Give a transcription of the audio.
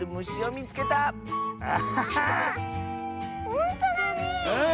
ほんとだねえ。